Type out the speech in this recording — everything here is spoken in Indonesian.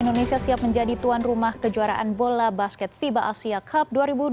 indonesia siap menjadi tuan rumah kejuaraan bola basket fiba asia cup dua ribu dua puluh